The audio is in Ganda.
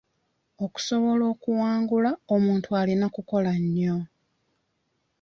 Okusobola okuwangula, omuntu alina kukola ennyo.